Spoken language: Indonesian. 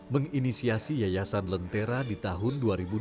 menginisiasi yayasan lentera di tahun dua ribu dua puluh